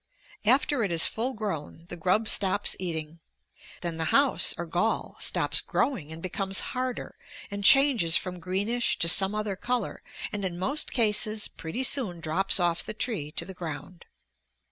After it is full grown, the grub stops eating. Then the house, or gall, stops growing and becomes harder and changes from greenish to some other color, and, in most cases, pretty soon drops off the tree to the ground.